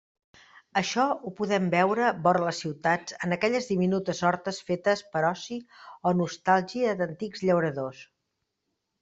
Això ho podem veure vora les ciutats en aquelles diminutes hortes fetes per oci o nostàlgia d'antics llauradors.